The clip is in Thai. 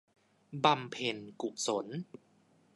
บำเพ็ญกุศล